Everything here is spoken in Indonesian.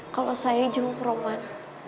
kalau saya jemur ke rumah